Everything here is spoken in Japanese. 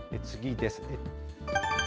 次です。